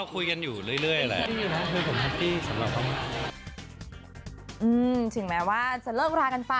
ถึงแม้ว่าจะเลิกรากันไป